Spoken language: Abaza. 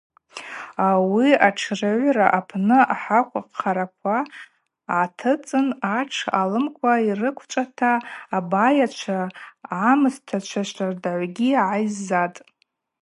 Ауи атшрыгӏвра апны ахакв хъараква йгӏартыцӏын атш алыпква йрыквчӏвата абайачва, агӏмыстачва щардагӏвгьи гӏайззатӏ.